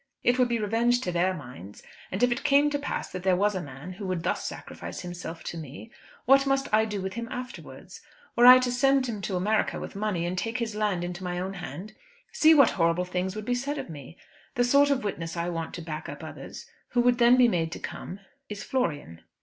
"It would be revenge to their minds. And if it came to pass that there was a man who would thus sacrifice himself to me, what must I do with him afterwards? Were I to send him to America with money, and take his land into my own hand, see what horrible things would be said of me. The sort of witness I want to back up others, who would then be made to come, is Florian."